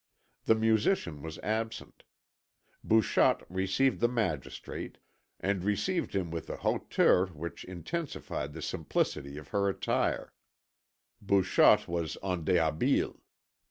The musician was absent. Bouchotte received the Magistrate, and received him with a hauteur which intensified the simplicity of her attire; Bouchotte was en déshabille.